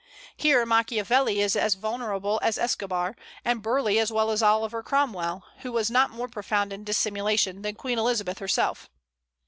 Here Machiavelli is as vulnerable as Escobar, and Burleigh as well as Oliver Cromwell, who was not more profound in dissimulation than Queen Elizabeth herself.